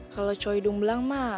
kalau cowok hidung belang mah